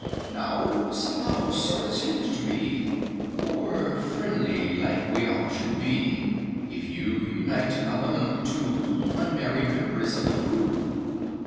"Now, somehow, sir, it seems to me, More friendly like we all should be, If you united of 'em to Unmarried members of the crew.